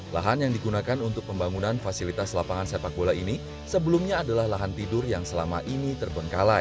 lahan yang digunakan untuk pembangunan fasilitas lapangan sepak bola ini sebelumnya adalah lahan tidur yang selama ini terbengkalai